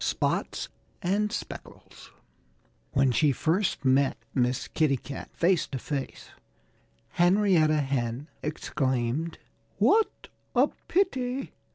V SPOTS AND SPECKLES WHEN she first met Miss Kitty Cat face to face Henrietta Hen exclaimed, "What a pity!"